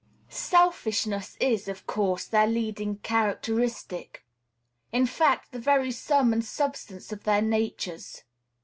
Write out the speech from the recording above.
Selfishness is, of course, their leading characteristic; in fact, the very sum and substance of their natures.